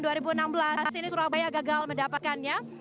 nah di tahun dua ribu delapan belas ini surabaya gagal mendapatkannya